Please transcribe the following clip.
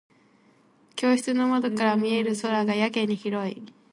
教室の窓から見える空がやけに広い。